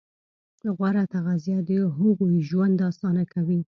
غوره تغذیه د هغوی ژوند اسانه کوي.